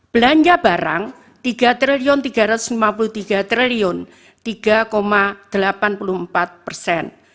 belanja barang rp tiga tiga ratus lima puluh tiga tiga ratus delapan puluh empat atau tiga delapan puluh empat persen